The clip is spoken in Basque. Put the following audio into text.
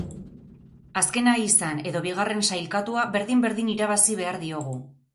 Azkena izan edo bigarren sailkatua berdin-berdin irabazi behar diogu.